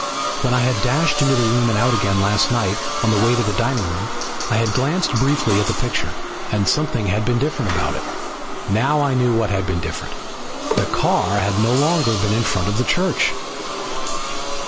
When I had dashed into the room and out again last night on the way to the dining room I had glanced briefly at the picture and something had been different about it. Now I knew what had been different. The car had no longer been in front of the church.